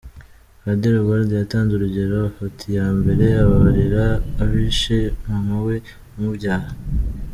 Padiri Ubald yatanze urugero afata iya mbere ababarira abishe mama we umubyara.